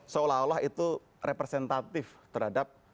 seolah olah itu representatif terhadap